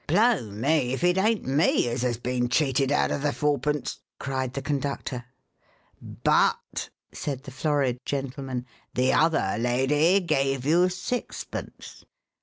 "Blow me if it ain't me as 'as been cheated out of the fourpence," cried the conductor. "But," said the florid gentleman, "the other lady gave you sixpence."